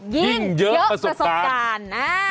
ยิ่งเยอะประสบการณ์